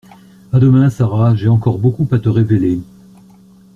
À demain, Sara, j’ai encore beaucoup à te révéler.